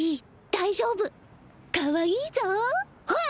大丈夫かわいいぞへっ！？